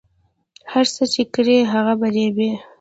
هر څه چې کرې هغه به ریبې